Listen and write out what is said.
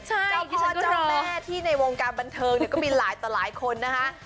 เจ้าพ่อเจ้าแม่ที่ในวงการบันเทิงเนี่ยก็มีหลายต่อหลายคนนะคะ